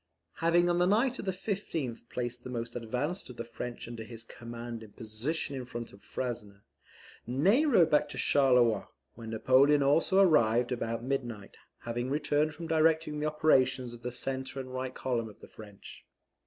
Having on the night of the 15th placed the most advanced of the French under his command in position in front of Frasne, Ney rode back to Charleroi, where Napoleon also arrived about midnight, having returned from directing the operations of the centre and right column of the French.